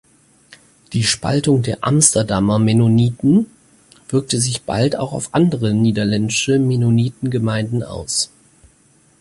Die Spaltung der Amsterdamer Mennoniten wirkte sich bald auch auf andere niederländische Mennonitengemeinden aus.